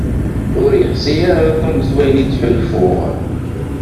Ur yeḥsi ara Tom s wayen i ttḥulfuɣ.